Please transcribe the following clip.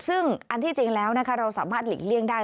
ซึ่งอันที่จริงแล้วเราสามารถหลีกเลี่ยงได้